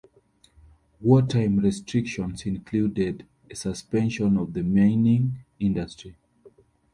Wartime restrictions included a suspension of the mining industry.